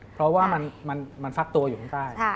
เพราะว่ามันฟักตัวอยู่ข้างใต้